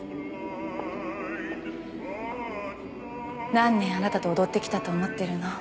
何年あなたと踊ってきたと思ってるの？